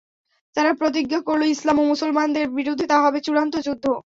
তারা প্রতিজ্ঞা করল, ইসলাম ও মুসলমানদের বিরুদ্ধে তা হবে চূড়ান্ত যুদ্ধ।